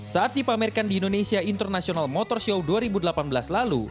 saat dipamerkan di indonesia international motor show dua ribu delapan belas lalu